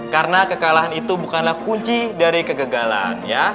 karena kekalahan itu bukanlah kunci dari kegagalan ya